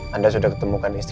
lo kasih ngaruh my viewer